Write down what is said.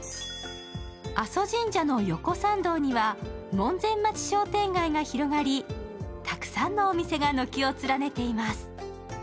阿蘇神社の横参道には門前町商店街が広がり、たくさんのお店が軒を連ねています。